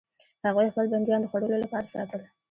هغوی خپل بندیان د خوړلو لپاره ساتل.